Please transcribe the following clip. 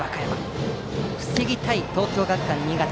それを防ぎたい東京学館新潟。